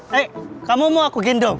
hei kamu mau aku gendong